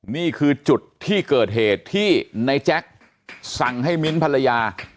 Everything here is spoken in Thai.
นี่คือจุดที่เกิดเหตุที่ในแจ็คสั่งให้มิ้นท์ภรรยา